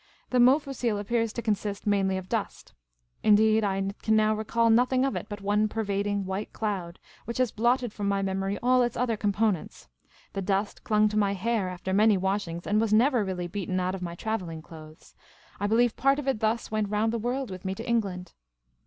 The Mofussil appears to consist mainly of dust ; indeed, I can now recall nothing of it but one pervading white cloud, which has blotted from my memory all its other components. The dust clung to my hair after many wa.shings, and was nev^er really beaten out of my travelling clothes ; I believe 246 Miss Caylcy's Adventures part of it thus went round the world with me to England.